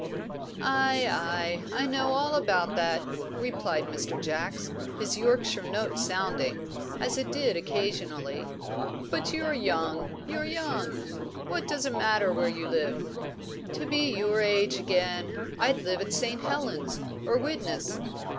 "Ay, ay! I know all about that," replied Mr. Jacks, his Yorkshire note sounding, as it did occasionally. "But you're young, you're young; what does it matter where you live? To be your age again, I'd live at St. Helens, or Widnes.